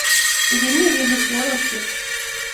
Ibi nibintu byoroshye.